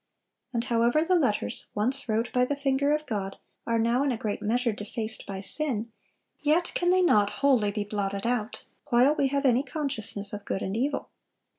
And however the letters once wrote by the finger of God are now in a great measure defaced by sin, yet can they not wholly be blotted out, while we have any consciousness of good and evil.